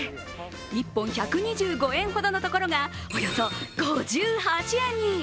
１本１２５円ほどのところが、およそ５８円に。